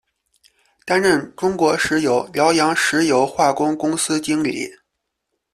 担任中国石油辽阳石油化工公司经理。